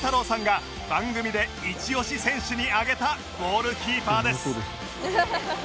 さんが番組でイチオシ選手に挙げたゴールキーパーです